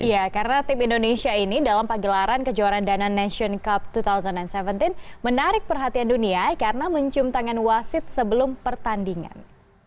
iya karena tim indonesia ini dalam pagelaran kejuaraan dana nation cup dua ribu tujuh belas menarik perhatian dunia karena mencium tangan wasit sebelum pertandingan